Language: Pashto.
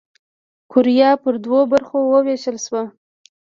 کوریا پر دوو برخو ووېشل شوه.